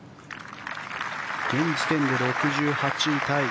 現時点で６８位タイ。